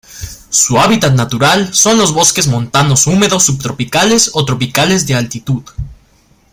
Su hábitat natural son los bosques montanos húmedos subtropicales o tropicales de altitud.